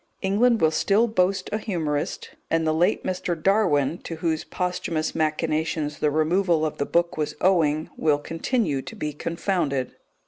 England will still boast a humorist; and the late Mr. Darwin (to whose posthumous machinations the removal of the book was owing) will continue to be confounded.